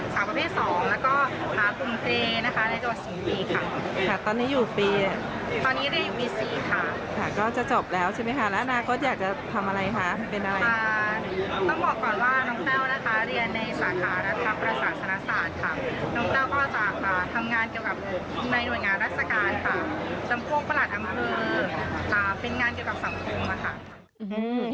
จำพวงประหลาดอำนาคมเป็นงานเกี่ยวกับสังคมนะคะ